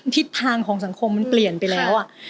ทิศทางของสังคมมันเปลี่ยนไปแล้ว